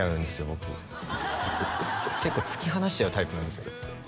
僕結構突き放しちゃうタイプなんですよ